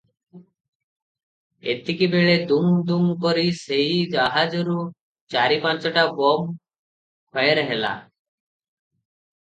ଏତିକିବେଳେ ଦୁମ୍ ଦୁମ୍ କରି ସେଇ ଜାହାଜରୁ ଚାରି ପାଞ୍ଚଟା ବୋମ୍ ଫଏର ହେଲା ।